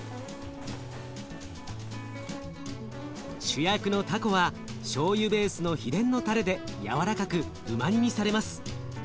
主役のたこはしょうゆベースの秘伝のタレで軟らかくうま煮にされます。